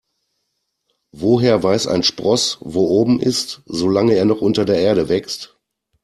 Woher weiß ein Spross, wo oben ist, solange er noch unter der Erde wächst?